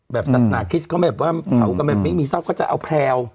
แบบศาสนาคริสต์เขาไม่แบบว่าเขาก็ไม่มีเศร้าก็จะเอาแพลว